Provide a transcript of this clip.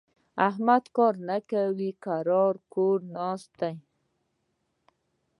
احمد کار نه کوي؛ کرار کور ناست دی.